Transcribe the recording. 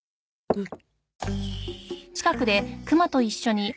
あっ。